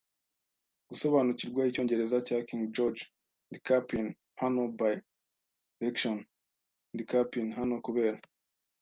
gusobanukirwa Icyongereza cya King George. Ndi cap'n hano by 'lection. Ndi cap'n hano kubera